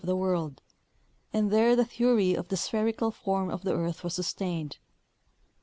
181 of the world, and there the theory of the spherical form of the earth was sustained.